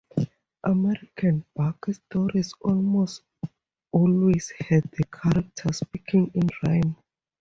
American Bucky stories almost always had the characters speaking in rhyme.